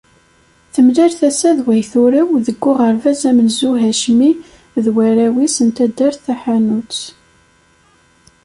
Temlal tasa d way turew deg uɣerbaz amenzu Hacmi d warraw-is n taddart Taḥanut.